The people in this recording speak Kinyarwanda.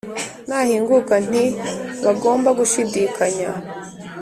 nahinguka nti bagombe gushidikanya